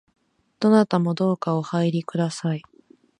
どなたもどうかお入りください